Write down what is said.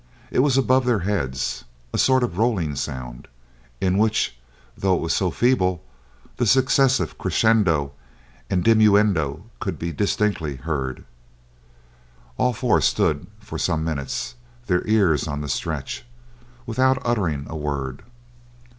It was above their heads, a sort of rolling sound, in which though it was so feeble, the successive crescendo and diminuendo could be distinctly heard. All four stood for some minutes, their ears on the stretch, without uttering a word.